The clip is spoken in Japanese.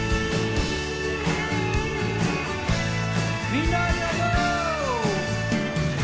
みんなありがとう！